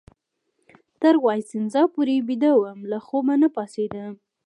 تر وایسینزا پورې بیده وم، له خوبه نه پاڅېدم.